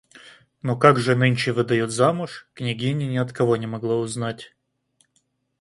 Но как же нынче выдают замуж, княгиня ни от кого не могла узнать.